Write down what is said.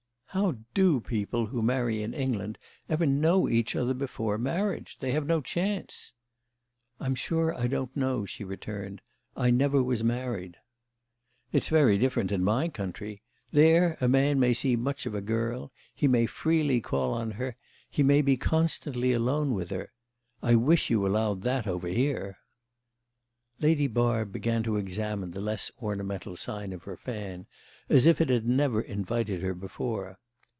"How do people who marry in England ever know each other before marriage? They have no chance." "I'm sure I don't know," she returned. "I never was married." "It's very different in my country. There a man may see much of a girl; he may freely call on her, he may be constantly alone with her. I wish you allowed that over here." Lady Barb began to examine the less ornamental side of her fan as if it had never invited her before.